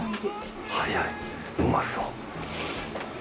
早いうまそう。